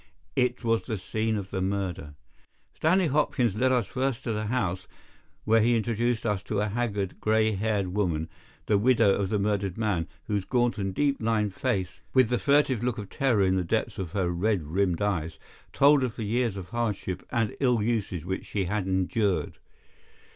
It was the scene of the murder. Stanley Hopkins led us first to the house, where he introduced us to a haggard, grey haired woman, the widow of the murdered man, whose gaunt and deep lined face, with the furtive look of terror in the depths of her red rimmed eyes, told of the years of hardship and ill usage which she had endured.